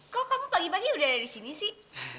kok kamu pagi pagi udah ada di sini sih